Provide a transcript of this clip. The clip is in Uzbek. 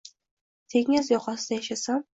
Dengiz yoqasida yashasam